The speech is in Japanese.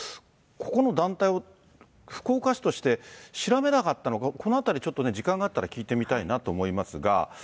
ここの団体を福岡市として調べなかったのか、このあたりちょっとね、時間があったら聞いてみたいなと思いますが。